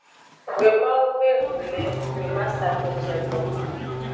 Wemawo ve exo le wemasato ce gbo.